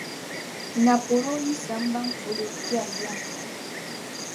Naporoo yi sambani polo n-kpiɛri yiŋa.